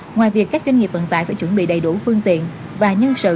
ngoài việc các doanh nghiệp vận tải phải chuẩn bị đầy đủ phương tiện và nhân sự